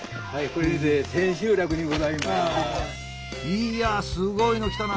いやあすごいのきたな。